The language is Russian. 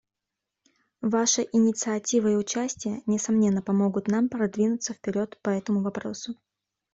Ваша инициатива и участие, несомненно, помогут нам продвинуться вперед по этому вопросу.